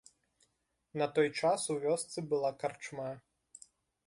На той час у вёсцы была карчма.